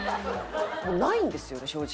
もうないんですよね正直。